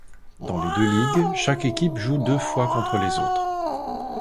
Dans les deux ligues, chaque équipe joue deux fois contre les autres.